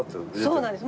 そうなんです。